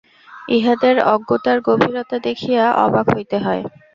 ইহাদের অজ্ঞতার গভীরতা দেখিয়া অবাক হইতে হয়।